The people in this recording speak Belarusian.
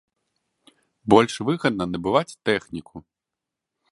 Больш выгадна набываць тэхніку.